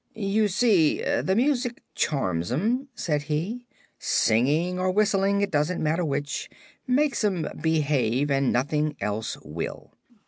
"You see, the music charms 'em," said he. "Singing or whistling it doesn't matter which makes 'em behave, and nothing else will.